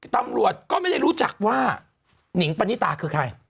ตำรวจก็ไม่ได้รู้จักว่าหนิงปณิตาคือใคร